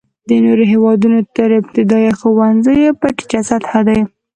د نورو هېوادونو تر ابتدایه ښوونځیو په ټیټه سطحه دی.